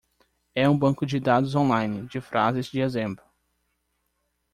É um banco de dados online de frases de exemplo.